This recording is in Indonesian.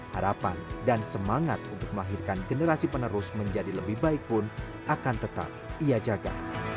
harapan dan semangat untuk melahirkan generasi penerus menjadi lebih baik pun akan tetap ia jaga